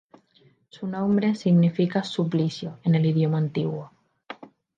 Su nombre significa "suplicio" en el idioma antiguo.